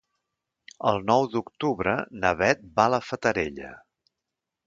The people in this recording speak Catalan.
El nou d'octubre na Bet va a la Fatarella.